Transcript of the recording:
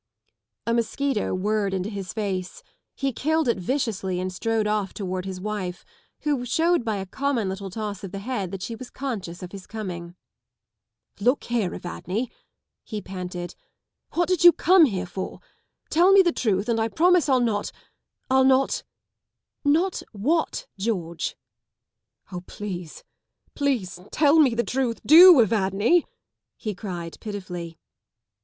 A mosquito Whirred into his face. He killed it viciously and strode off towards his wife, who showed by a common little toss of the head that she was conscious oft his coming. Look here, Evadne! " he panted. " What did you come here for? Tell me the truth and I promise Til notŌĆö I'll notŌĆö "Not WHAT, George? " 103 11 please, please tell me the troth, do Evadnel " he cried pitifully.